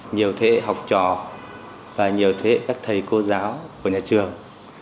nhiều thế hệ học trò và nhiều thế hệ các thầy cô giáo của nhà trường